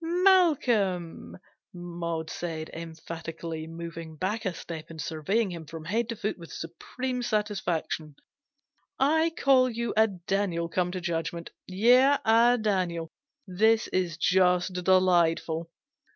" Malcolm," Maud said, emphatically, moving back a step and surveying him from head to foot with supreme satisfaction, " I call you a Daniel come to judgment yea, a Daniel ! This is just delightful."